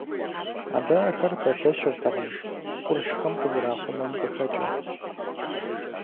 Абы ахэр пэлъэщыртэкъым къуршхэм къызэрахъумэм къыхэкӀыу.